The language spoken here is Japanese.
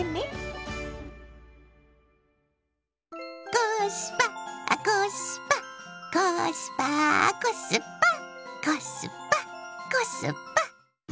コースパコスパコスパーコスパコスパコスパ。